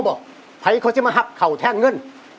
เจ้าโง่บ่ใครเขาจะมาหับเขาแทนเงิน